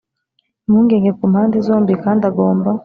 Impungenge ku mpande zombi kandi agomba